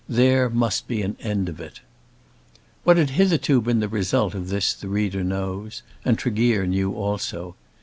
"There must be an end of it." What had hitherto been the result of this the reader knows, and Tregear knew also.